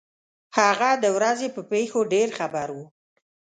هغه د ورځې په پېښو ډېر خبر وو.